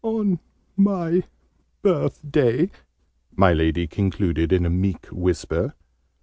"On my birthday," my Lady concluded in a meek whisper.